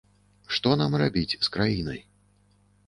Што нам рабіць з краінай.